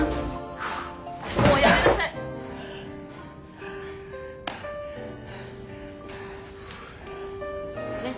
もうおやめなさい！ね！